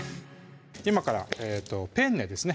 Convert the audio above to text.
今からペンネですね